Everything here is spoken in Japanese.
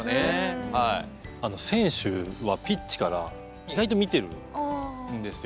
選手はピッチから意外と見ているんですよ。